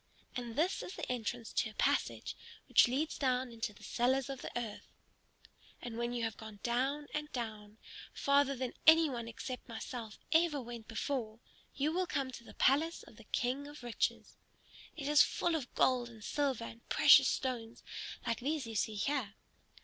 And this is the entrance to a passage which leads down into the cellars of the earth. And when you have gone down and down, farther than any one except myself ever went before, you will come to the palace of the King of Riches. It is full of gold and silver and precious stones like these you see here.